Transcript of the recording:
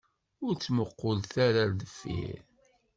Ur ttmuqulet ara ɣer deffir.